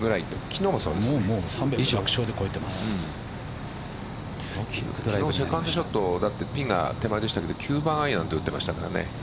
昨日セカンドショットピンが手前でしたけど９番アイアンで打ってましたからね。